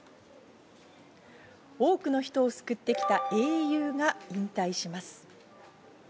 多くの人を救ってきた英雄が引退します。